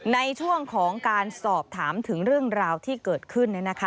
ในช่วงของการสอบถามถึงเรื่องราวที่เกิดขึ้น